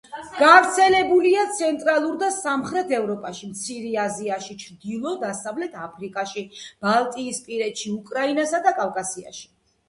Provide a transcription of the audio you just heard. გავრცელებულია ცენტრალურ და სამხრეთ ევროპაში, მცირე აზიაში, ჩრდილო-დასავლეთ აფრიკაში, ბალტიისპირეთში, უკრაინასა და კავკასიაში.